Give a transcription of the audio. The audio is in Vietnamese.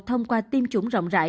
thông qua tiêm chủng rộng rãi